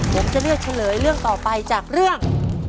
ผมจะเลือกเฉลยเรื่องต่อไปจากเรื่อง